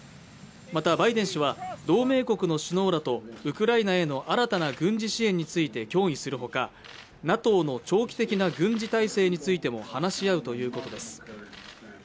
またバイデン氏は同盟国の首脳らとウクライナへの新たな軍事支援について協議するほかＮＡＴＯの長期的な軍事態勢についても話し合うということです